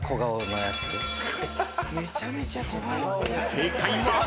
［正解は］